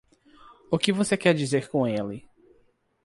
O que você quer dizer com ele?